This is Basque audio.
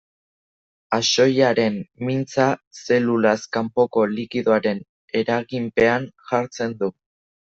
Axoiaren mintza, zelulaz kanpoko likidoaren eraginpean jartzen du.